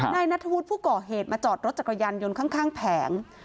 นายนัทธวุฒิผู้ก่อเหตุมาจอดรถจักรยานยนต์ข้างแผง